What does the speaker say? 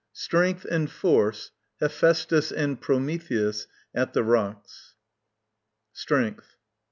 STRENGTH and FORCE, HEPHÆSTUS and PROMETHEUS, at the Rocks. _Strength.